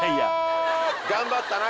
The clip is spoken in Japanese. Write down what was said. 頑張ったな！